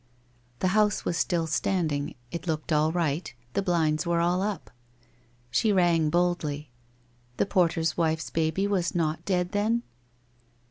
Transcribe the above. The house was still standing, it looked all right, the blinds were all up? She rang boldly — the porter's wife's baby was not dead, then?